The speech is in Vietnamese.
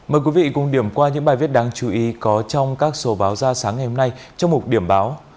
mời quý vị cùng điểm qua những bài viết đáng chú ý có trong các số báo ra sáng ngày hôm nay trong một điểm báo